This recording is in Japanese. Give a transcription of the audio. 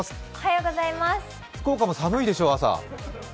福岡も朝、寒いでしょ？